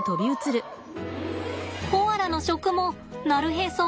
コアラの食もなるへそなんです。